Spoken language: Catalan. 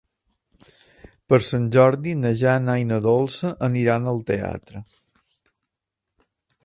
Per Sant Jordi na Jana i na Dolça aniran al teatre.